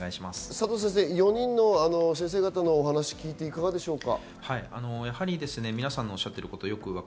佐藤先生、４人の先生方のお話を聞いて、いかがでしょうか？